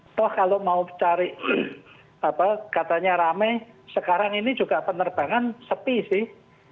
toh kalau mau cari apa katanya rame sekarang ini juga penerbangan sepi sih